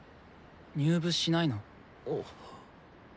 入部しないの？